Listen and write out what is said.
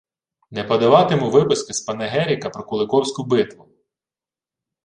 Не подаватиму виписки з панегірика про Куликовську битву